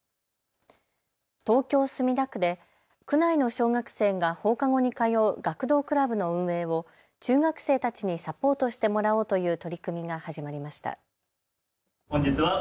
東京墨田区で区内の小学生が放課後に通う学童クラブの運営を中学生たちにサポートしてもらおうという取り組みが始まりました。